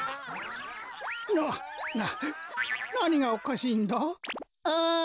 なななにがおかしいんだ？